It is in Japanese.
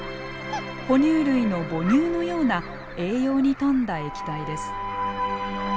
哺乳類の母乳のような栄養に富んだ液体です。